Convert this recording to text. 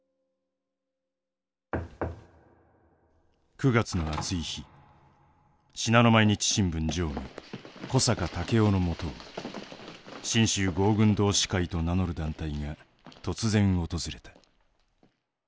９月の暑い日信濃毎日新聞常務小坂武雄のもとを信州郷軍同志会と名乗る団体が突然訪れた。